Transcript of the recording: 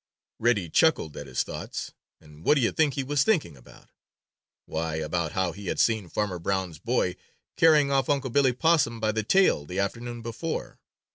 Reddy chuckled at his thoughts, and what do you think he was thinking about? Why, about how he had seen Farmer Brown's boy carrying off Unc' Billy Possum by the tail the afternoon before.